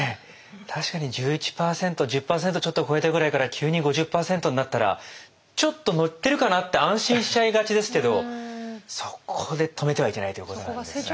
確かに１１％１０％ちょっとこえたぐらいから急に５０％になったらちょっと乗ってるかなって安心しちゃいがちですけどそこで止めてはいけないということなんですね。